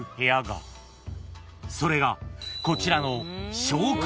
［それがこちらの］